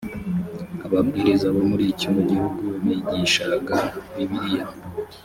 ababwiriza bo muri icyo gihugu bigishaga bibiliya